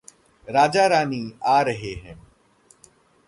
राजा-रानी आ रहे हैं।